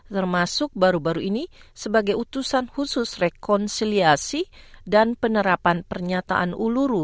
termasuk baru baru ini sebagai utusan khusus rekonsiliasi dan penerapan pernyataan uluru